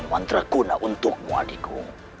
mantra guna untuk muadikku